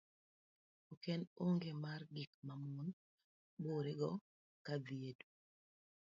ok en onge mar gik mamon bore go ka dhiedwe